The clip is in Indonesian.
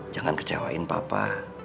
jangan kecewain papa